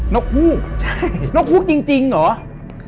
นกหลูกนกหลูกจริงเหรอ